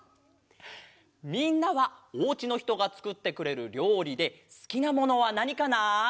みんなはおうちのひとがつくってくれるりょうりですきなものはなにかな？